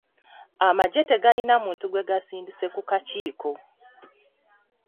Amagye tegalina muntu gwe gasindise ku kakiiko.